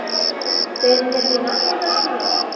— Тыйын нергенат возаш лиеш?